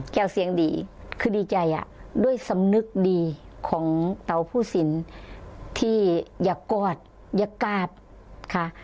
เสียงดีคือดีใจด้วยสำนึกดีของเตาผู้สินที่อยากกอดอยากกราบค่ะ